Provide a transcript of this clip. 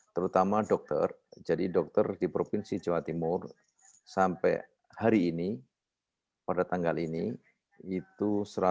terutama dokter jadi dokter di provinsi jawa timur sampai hari ini pada tanggal ini itu satu ratus enam puluh